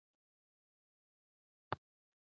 ایا دا طریقه کار کوي؟